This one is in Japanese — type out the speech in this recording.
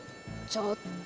ちょっと。